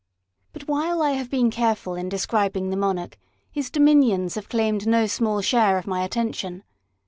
But while I have been careful in describing the monarch, his dominions have claimed no small share of my attention.